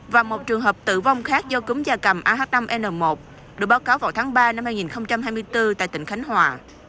và một trường hợp tử vong khác do cúm da cầm ah năm n một được báo cáo vào tháng ba năm hai nghìn hai mươi bốn tại tỉnh khánh hòa